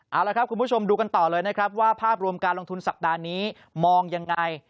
เอาละครับคุณผู้ชมดูกันต่อเลยนะครับว่าภาพรวมการลงทุนสัปดาห์นี้มองยังไง